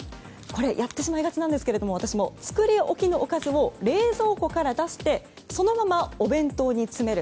私もやってしまいがちですが作り置きのおかずを冷蔵庫から出してそのままお弁当に詰める。